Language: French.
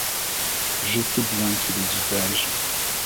Je sais bien qu’il est d’usage »